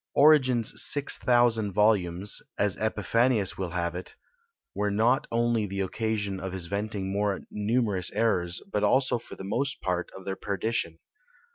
Origen's 6000 volumes (as Epiphanius will have it) were not only the occasion of his venting more numerous errors, but also for the most part of their perdition.